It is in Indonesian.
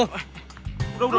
udah udah udah